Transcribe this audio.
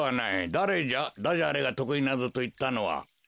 だれじゃダジャレがとくいなどといったのは？